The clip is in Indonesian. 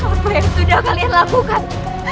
apa yang sudah kalian lakukan